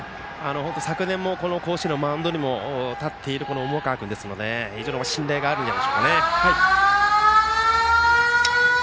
昨年も甲子園のマウンドに立っている重川君ですので非常に信頼があるんでしょうね。